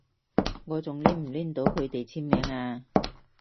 我仲拎唔拎到佢哋簽名啊？